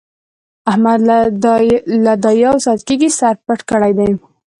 احمد له دا يو ساعت کېږي سر پټ کړی دی.